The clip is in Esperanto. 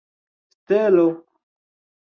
stelo